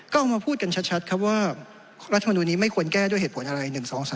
ก็เอามาพูดกันชัดครับว่ารัฐมนุนนี้ไม่ควรแก้ด้วยเหตุผลอะไร๑๒๓